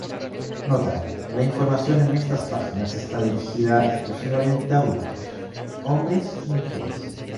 Nota: La información en estas páginas está dirigida exclusivamente a adultos: hombres y mujeres